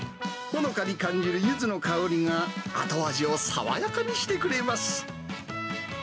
ほのかに感じるゆずの香りが、後味を爽やかにしてくれます。